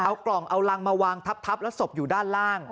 เอากล่องเอารังมาวางทับแล้วศพอยู่ด้านล่าง